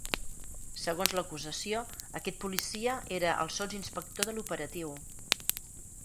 Segons l’acusació, aquest policia era el sotsinspector de l’operatiu.